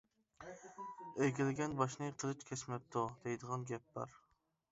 — «ئېگىلگەن باشنى قىلىچ كەسمەپتۇ» دەيدىغان گەپ بار.